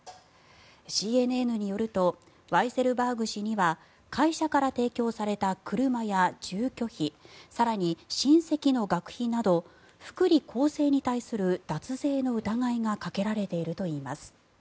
ＣＮＮによるとワイセルバーグ氏には会社から提供された車や住居費更に親戚の学費など福利厚生に対する脱税の疑いがかけられているといいます。